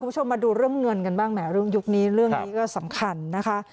คุณผู้ชมมาดูเรื่องเงินกันบ้างแหมเรื่องยุคนี้เรื่องนี้ก็สำคัญนะคะ